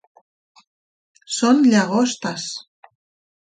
Són llagostes.